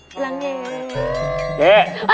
เจ๊